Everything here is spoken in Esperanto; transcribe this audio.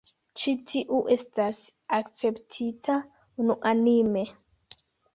Ĉi tiu estas akceptita unuanime.